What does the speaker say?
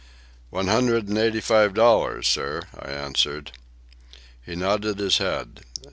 "One hundred and eighty five dollars, sir," I answered. He nodded his head.